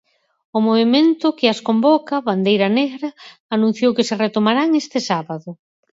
O movemento que as convoca, Bandeira Negra, anunciou que se retomarán este sábado.